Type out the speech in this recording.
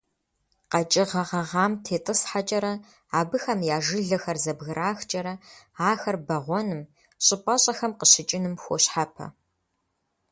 КъэкӀыгъэ гъэгъам тетӀысхьэкӀэрэ, абыхэм я жылэхэр зэбграхкӀэрэ ахэр бэгъуэным, щӀыпӀэщӀэхэм къыщыкӀыным хуощхьэпэ.